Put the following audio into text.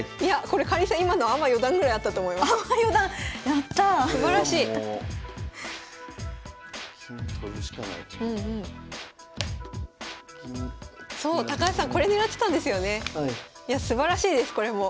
いやすばらしいですこれも。